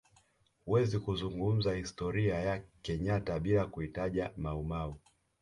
Huwezi kuzungumza historia ya kenyatta bila kuitaja maumau